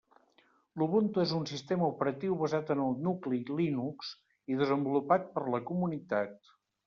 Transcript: L'Ubuntu és un sistema operatiu basat en el nucli Linux i desenvolupat per la comunitat.